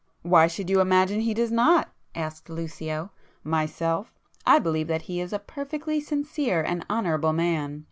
"Why should you imagine he does not?" asked Lucio—"Myself, I believe that he is a perfectly sincere and honorable man.